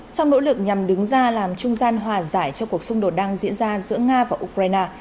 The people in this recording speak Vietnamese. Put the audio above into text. trong nỗ lực nhằm đứng ra làm trung gian hòa giải cho cuộc xung đột đang diễn ra giữa nga và ukraine